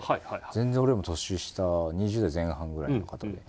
全然俺よりも年下２０代前半ぐらいの方で。